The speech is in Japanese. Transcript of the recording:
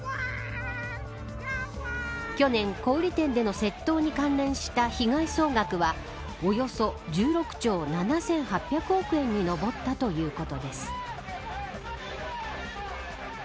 去年、小売店での窃盗に関連した被害総額はおよそ１６兆７８００億円に上ったということです。